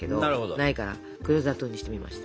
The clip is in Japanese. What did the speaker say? ないから黒砂糖にしてみました。